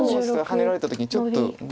ハネられた時にちょっと具合が。